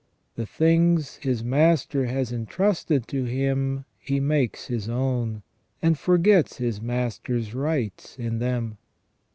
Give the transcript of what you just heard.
The things his master has intrusted to him he makes his own, and forgets his master's rights in them.